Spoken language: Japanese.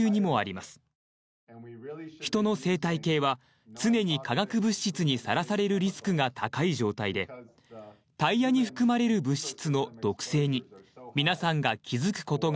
人の生態系は常に化学物質にさらされるリスクが高い状態でタイヤに含まれる物質の毒性に皆さんが気づくことが重要です。